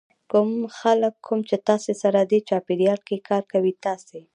کوم خلک کوم چې تاسې سره دې چاپېریال کې کار کوي تاسې